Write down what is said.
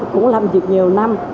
cũng làm việc nhiều năm